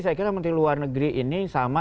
saya kira menteri luar negeri ini sama